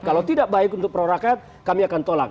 kalau tidak baik untuk pro raket kami akan tolak